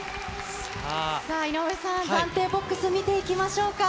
さあ、井上さん、暫定ボックス、見ていきましょうか。